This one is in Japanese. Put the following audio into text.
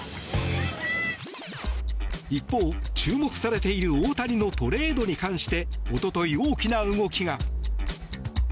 一方、注目されている大谷のトレードに関しておととい、大きな動きが。